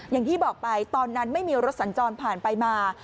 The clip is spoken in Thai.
อย่างที่บอกไปตอนนั้นไม่มีรถสัญจรผ่านไปมา